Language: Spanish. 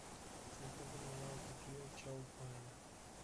Se encuentra en el lado este del río Chao Phraya.